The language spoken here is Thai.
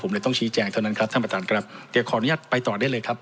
ผมเลยต้องชี้แจงเท่านั้นครับท่านประธานครับเดี๋ยวขออนุญาตไปต่อได้เลยครับ